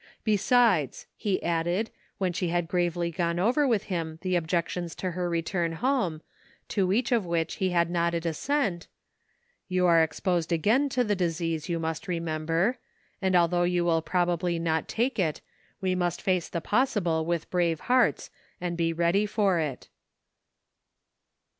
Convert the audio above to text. "Besides," he added, when she had gravely gone over with him the objections to her return home, to each of which he had nodded assent, " you are exposed again to the disease, you must remember ; and although you will probably not take it, we must face the pos sible with brave hearts and be ready for it."